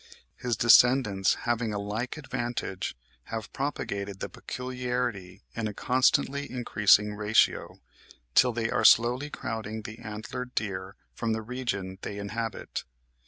His descendants having a like advantage, have propagated the peculiarity in a constantly increasing ratio, till they are slowly crowding the antlered deer from the region they inhabit."